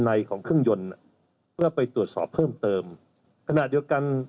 ในของเครื่องยนต์เพื่อไปตรวจสอบเพิ่มเติมขณะเดียวกัน